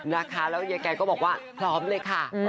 แล้วแกรมก็บอก๕๕๕พร้อมเลยคะ